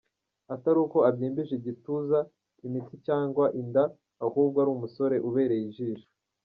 Atari uko abyimbije igituza, imitsi cyangwa inda ahubwo ari umusore ubereye ijisho.